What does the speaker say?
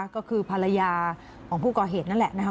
ก็คือภรรยาของผู้ก่อเหตุนั่นแหละนะคะ